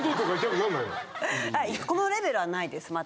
このレベルは無いですまだ。